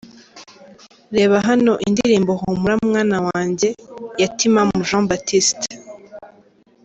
Reba hano indirimbo Humura mwana wanjye ya Timamu Jean Baptiste.